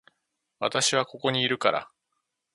私はここにいるから